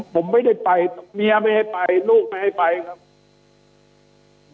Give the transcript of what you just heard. ผมไม่ได้ไปเมียไม่ให้ไปลูกไม่ให้ไปครับ